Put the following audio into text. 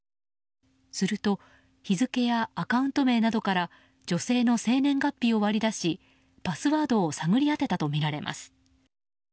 すると日付やアカウント名などから女性の生年月日を割り出しパスワードを探り当てたとみられます。